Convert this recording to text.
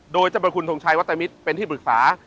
โดยจะเป็นคุณทงชัยวัตมิตรเป็นที่ปรึกษา